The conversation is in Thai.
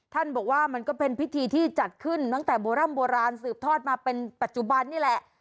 บอกว่ามันก็เป็นพิธีที่จัดขึ้นตั้งแต่โบร่ำโบราณสืบทอดมาเป็นปัจจุบันนี่แหละ